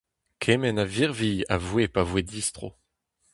Kement a virvilh a voe pa voe distro.